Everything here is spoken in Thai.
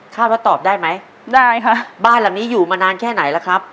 ตอบได้ไหมได้ค่ะบ้านหลังนี้อยู่มานานแค่ไหนล่ะครับ